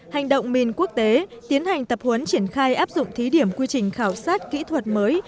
hành động mình quốc tế tiến hành tập huấn triển khai áp dụng thí điểm quy trình khảo sát kỹ thuật mới